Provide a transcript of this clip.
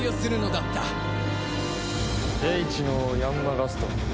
叡智の王ヤンマ・ガスト。